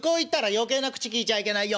余計な口きいちゃいけないよ。